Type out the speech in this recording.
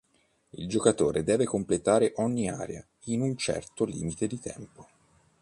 Il giocatore deve completare ogni area in un certo limite di tempo.